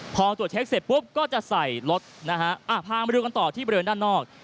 พอตัวเทคเสร็จปุ๊บก็จะใส่รถอ่าพามาดูกันต่อที่ไปด้านนอก